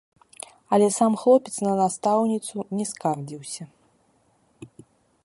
Але сам хлопец на настаўніцу не скардзіўся.